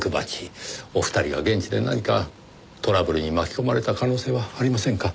お二人は現地で何かトラブルに巻き込まれた可能性はありませんか？